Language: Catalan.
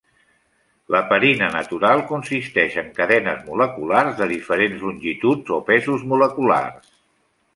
L'heparina natural consisteix en cadenes moleculars de diferents longituds o pesos moleculars.